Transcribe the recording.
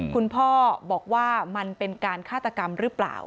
คุณพ่อบอกว่ามันเป็นการฆาตกรรมหรือเปล่า